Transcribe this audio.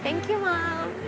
thank you mam